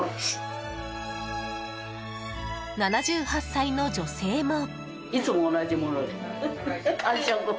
７８歳の女性も。